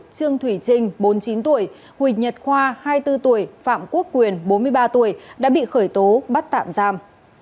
trương thủy trình bốn mươi chín tuổi huỳnh nhật khoa hai mươi bốn tuổi phạm quốc quyền bốn mươi ba tuổi đã bị khởi tố bắt tạm giam